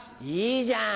いいじゃん。